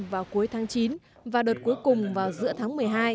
vào cuối tháng chín và đợt cuối cùng vào giữa tháng một mươi hai